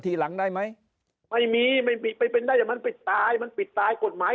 ทีหลังได้ไหมไม่มีไม่มีไปเป็นได้แต่มันปิดตายมันปิดตายกฎหมาย